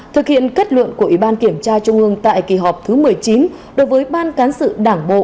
thực hiện kết luận của ủy ban kiểm tra trung ương tại kỳ họp thứ một mươi chín đối với ban cán sự đảng bộ